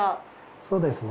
そうですね